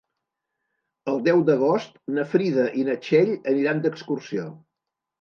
El deu d'agost na Frida i na Txell aniran d'excursió.